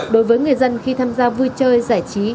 đối với người dân khi tham gia vui chơi giải trí